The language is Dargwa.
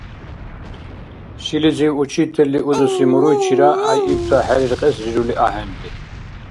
Шилизив учительли узуси муруйчира гӀяйибта хӀериркьес рирули ахӀенри.